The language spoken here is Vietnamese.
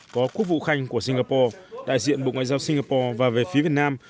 có quốc vụ khanh của singapore đại diện bộ ngoại giao singapore và về phía việt nam